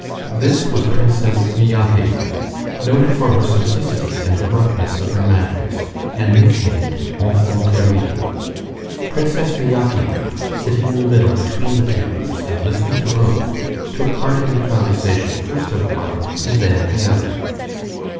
This was Princess Myakaya, noted for her simplicity and the roughness of her manners, and nicknamed enfant terrible. Princess Myakaya, sitting in the middle between the two groups, and listening to both, took part in the conversation first of one and then of the other.